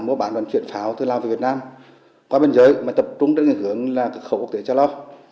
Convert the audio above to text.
mua bán vận chuyển pháo từ lao về việt nam qua bình giới mà tập trung trên hình hướng là cửa khẩu quốc tế cho lo